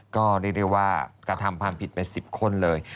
ก็ได้เรียกว่ากระทำพรรมผิดไป๑๐คนเลย